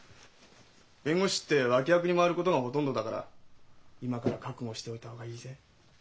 弁護士って脇役に回ることがほとんどだから今から覚悟しておいた方がいいぜ。